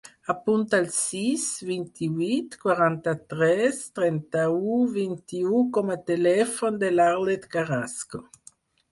Apunta el sis, vint-i-vuit, quaranta-tres, trenta-u, vint-i-u com a telèfon de l'Arlet Carrasco.